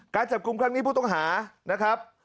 การจับกลุ่มครั้งนี้ผู้ต้องหานะครับ